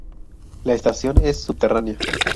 La estación es subterránea.